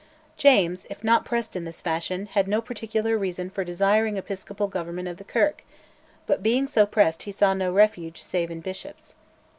James, if not pressed in this fashion, had no particular reason for desiring Episcopal government of the Kirk, but being so pressed he saw no refuge save in bishops.